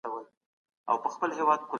اسلام موږ ته د انسانیت درس راکوي.